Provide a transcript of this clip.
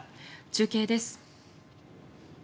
中継です。